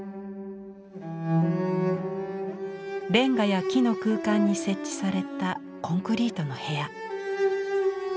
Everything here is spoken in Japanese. レンガや木の空間に設置されたコンクリートの部屋。